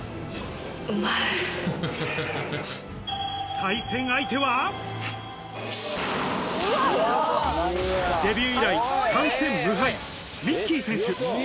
対戦相手はデビュー以来、３戦無敗、Ｍｉｃｋｅｙ選手。